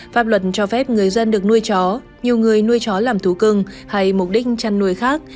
pháp luật cho phép người dân được nuôi chó nhiều người nuôi chó làm thú cưng hay mục đích chăn nuôi khác